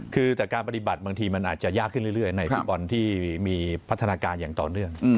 คือจากการปฏิบัติบางทีมันอาจจะยากขึ้นเรื่อยในฟุตบอลที่มีพัฒนาการอย่างต่อเนื่อง